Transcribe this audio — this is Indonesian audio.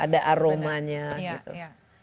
ada aromanya gitu